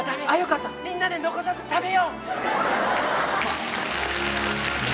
みんなで残さず食べよう。